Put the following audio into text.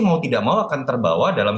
mau tidak mau akan terbawa dalam